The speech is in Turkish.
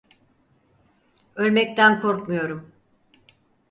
Ölmekten korkmuyorum.